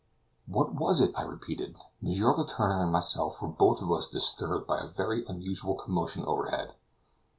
"What was it?" I repeated. "M. Letourneur and myself were both of us disturbed by a very unusual commotion overhead."